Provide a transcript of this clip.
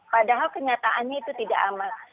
padahal kenyataannya itu tidak aman